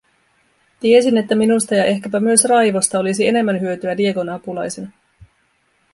Tiesin, että minusta ja ehkäpä myös Raivosta olisi enemmän hyötyä Diegon apulaisena.